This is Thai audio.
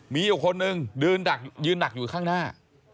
มีอยู่คนนึงยืนดักอยู่ข้างหน้า